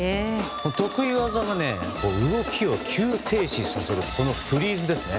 得意技が動きを急停止させるフリーズですね。